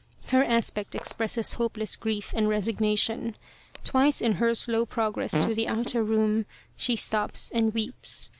Her aspect expresses hopeless grief and resignation. Twice in her slow progress to the outer room she stops and weeps.